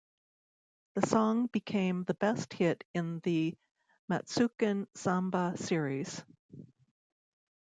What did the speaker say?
The song became the best hit in the "Matsuken Samba" series.